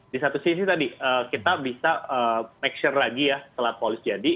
di satu sisi tadi kita bisa make sure lagi ya setelah polis jadi